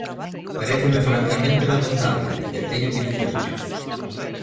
Paréceme francamente lamentable, e teño que dicirllo.